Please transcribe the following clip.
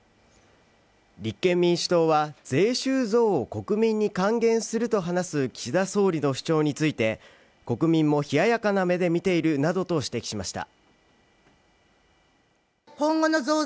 立憲民主党は税収増を国民に還元すると話す岸田総理の主張について国民も冷ややかな目で見ているなどと指摘しました